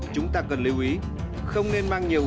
chúng ta cần lưu ý không nên mang nhiều